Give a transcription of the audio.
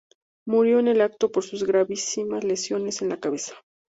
Murió en el acto por sus gravísimas lesiones en la cabeza.